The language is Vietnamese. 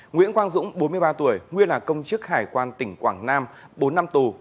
nguyễn quang dũng bốn mươi ba tuổi nguyên là công chức hải quan tỉnh quảng nam bốn năm tù